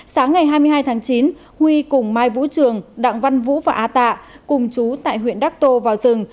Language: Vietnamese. sáng ngày hai mươi hai tháng chín huy cùng mai vũ trường đặng văn vũ và a tạ cùng chú tại huyện đắc tô vào rừng